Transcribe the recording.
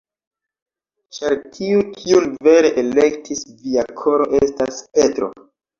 Ĉar tiu, kiun vere elektis via koro, estas Petro.